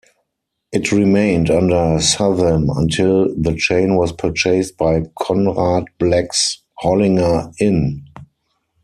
It remained under Southam until the chain was purchased by Conrad Black's Hollinger In.